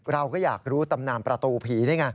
เราก็อยากรู้ตำนามประตูผี